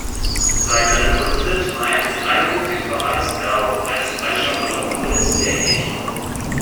Seit seinem Rücktritt war er in Freiburg im Breisgau als freischaffender Komponist tätig.